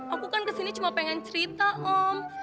aku kan kesini cuma pengen cerita om